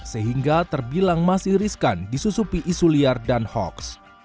sehingga terbilang masih riskan disusupi isu liar dan hoaks